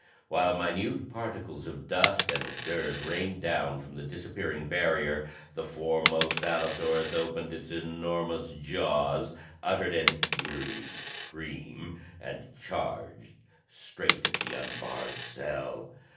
While minute particles of dust and dirt rained down from the disappearing barrier, the foremost allosaurus opened its enormous jaws, uttered an eery scream and charged straight at the unbarred cell.